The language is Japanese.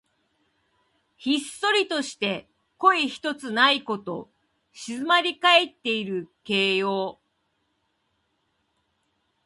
ひっそりとして声ひとつないこと。静まりかえっている形容。